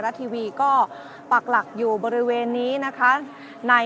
เมื่อเวลาอันดับสุดท้ายเมื่อเวลาอันดับสุดท้าย